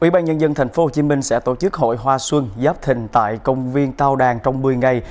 ủy ban nhân dân tp hcm sẽ tổ chức hội hoa xuân giáp thình tại công viên tao đàn trong một mươi ngày